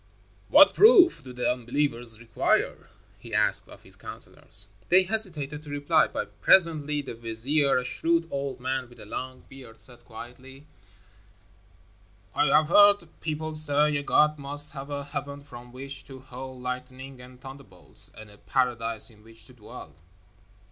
"What proof do the unbelievers require?" he asked of his counselors. They hesitated to reply, but presently the vizier, a shrewd old man with a long beard, said quietly, "I have heard people say a god must have a heaven from which to hurl lightning and thunderbolts, and a paradise in which to dwell."